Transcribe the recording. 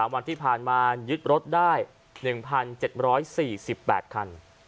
วันที่ผ่านมายึดรถได้๑๗๔๘คัน